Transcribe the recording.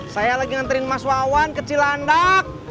saya lagi nganterin mas wawan ke cilandak